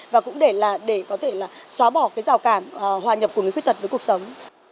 và cũng để có thể xóa bỏ cái rào cản hòa nhập của người khuyết tật với cuộc sống